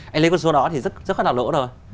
anh lấy con số đó thì rất phát là lỗ rồi